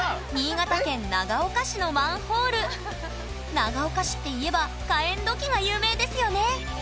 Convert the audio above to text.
長岡市っていえば火焔土器が有名ですよね？